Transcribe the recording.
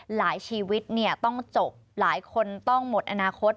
หลายชีวิตต้องจบหลายคนต้องหมดอนาคต